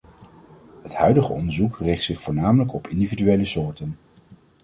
Het huidige onderzoek richt zich voornamelijk op individuele soorten.